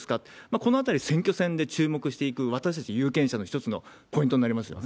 このあたり、選挙戦で注目していく、私たち有権者の一つのポイントになりますよね。